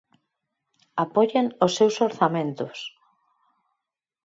¡Apoien os seus orzamentos!